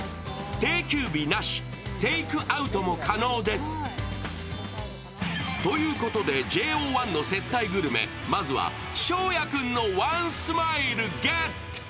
定休日なし、テークアウトも可能です。ということで、ＪＯ１の接待グルメ、まずは翔也君のワンスマイルゲット！